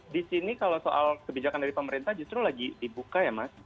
di sini kalau soal kebijakan dari pemerintah justru lagi dibuka ya mas